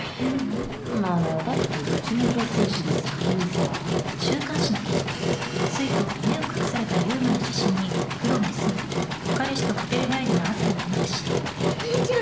なんなのよだったらうちの女性誌で先にさお姉ちゃん